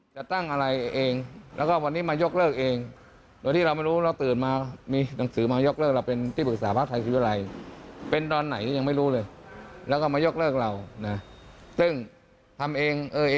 ของชมนวยกรรมเนี่ยกับภารกิจไทยศิวรัยเนี่ย